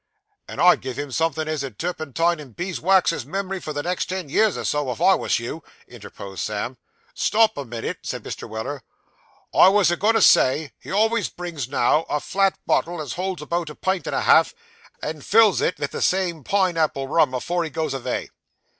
'And I'd give him somethin' as 'ud turpentine and beeswax his memory for the next ten years or so, if I wos you,' interposed Sam. 'Stop a minute,' said Mr. Weller; 'I wos a going to say, he always brings now, a flat bottle as holds about a pint and a half, and fills it vith the pine apple rum afore he goes avay.